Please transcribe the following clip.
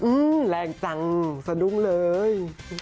อื้มแรงจังสนุกเลย